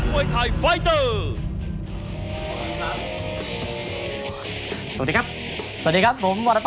พบนี้ครับ